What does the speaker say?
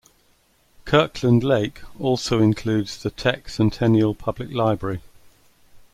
Kirkland Lake also includes the Teck Centennial Public Library.